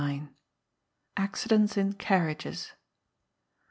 ] 1369. Accidents in Carriages.